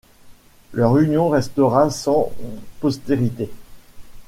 Leur union restera sans postérité.